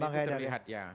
dan itu terlihat ya